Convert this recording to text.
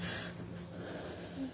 うん。